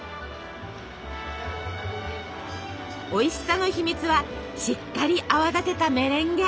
おいしさの秘密はしっかり泡立てたメレンゲ。